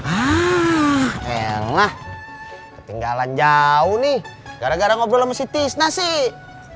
ah enak ketinggalan jauh nih gara gara ngobrol sama si tisna sih